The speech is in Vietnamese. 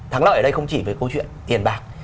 thắng lợi ở đây không chỉ với câu chuyện tiền bạc